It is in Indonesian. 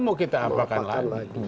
mau kita apakan lagi